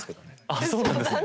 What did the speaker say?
あっそうなんですね。